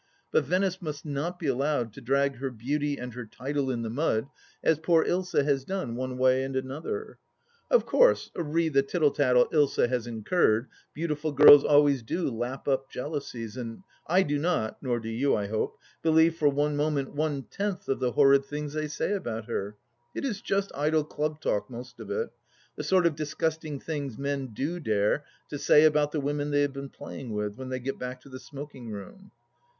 But Venice must not be allowed to drag her beauty and her title in the mud as poor Ilsa has done one way and another. Of course, re the tittle tattle Ilsa has incurred, beautiful girls always do lap up jealousies, and I do not — nor do you, I hope — believe for one moment one tenth of the horrid things they say about her. It is just idle club talk, most of it, the sort of disgusting things men do dare to say about the women they have been playing with, when they get back to the smoking room.